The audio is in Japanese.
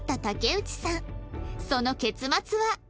その結末は？